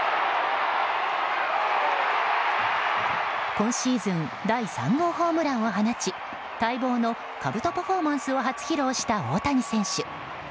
今シーズン第３号ホームランを放ち待望のかぶとパフォーマンスを初披露した大谷選手。